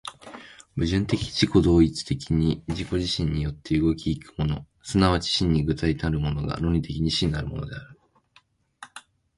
矛盾的自己同一的に自己自身によって動き行くもの、即ち真に具体的なるものが、論理的に真なるものである。